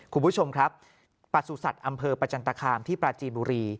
คุณผู้ชมครับประสุทธิ์อำเภอประจันตคามที่ปราจีนบุรี